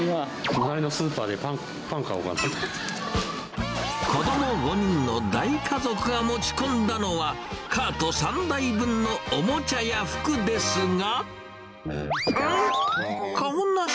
隣のスーパーでパン買おうか子ども５人の大家族が持ち込んだのは、カート３台分のおもちゃや服ですが。